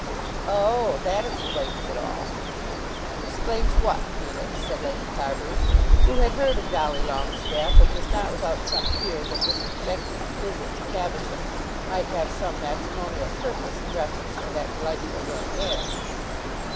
"Oh h! that explains it all." "Explains what, Felix?" said Lady Carbury, who had heard of Dolly Longestaffe, and was not without some fear that this projected visit to Caversham might have some matrimonial purpose in reference to that delightful young heir.